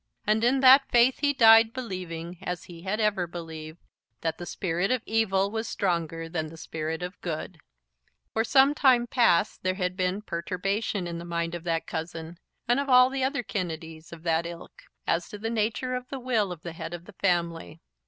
And in that faith he died believing, as he had ever believed, that the spirit of evil was stronger than the spirit of good. [Illustration: "He may soften her heart."] For some time past there had been perturbation in the mind of that cousin, and of all other Kennedys of that ilk, as to the nature of the will of the head of the family.